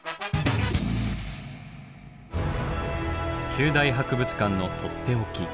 九大博物館のとっておき。